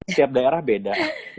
setiap daerah beda